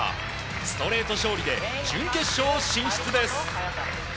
ストレート勝利で準決勝進出です。